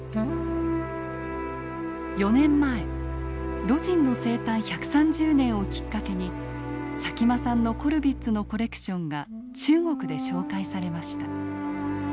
４年前魯迅の生誕１３０年をきっかけに佐喜眞さんのコルヴィッツのコレクションが中国で紹介されました。